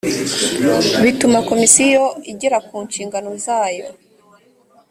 bituma komisiyo igera ku nshingano zayo